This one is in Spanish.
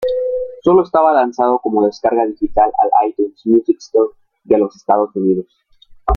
Solo estaba lanzado como descarga digital al iTunes Music Store de los Estados Unidos.